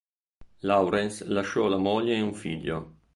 Lawrence lasciò la moglie e un figlio.